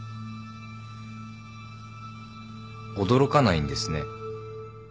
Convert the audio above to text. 驚かないんですね。